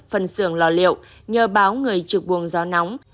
phần xưởng lò liệu nhờ báo người trực buồng gió nóng